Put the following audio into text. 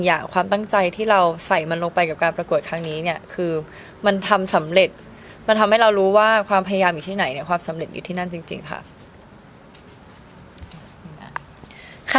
ยังตั้งสติไม่ได้เลยข่าวว่าตัวเองเนี่ยได้มองมาแล้วก็รู้สึกดีใจมาก